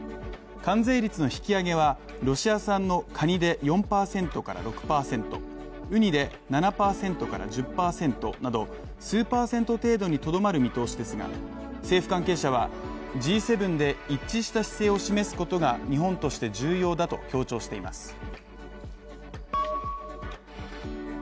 関税率の引き上げはロシア産のかにで４％から６％、ウニで７％から１０％など数パーセント程度にとどまる見通しですが政府関係者は、Ｇ７で一致した姿勢を示すことが日本として重要だと強調しています。